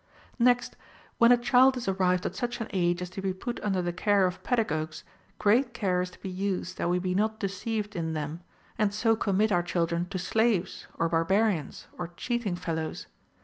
7. Next, when a child is arrived at such an age as to be put under the care of pedagogues, great care is to be used that we be not deceived in them, and so commit our chil dren to slaves or barbarians or cheating fellows.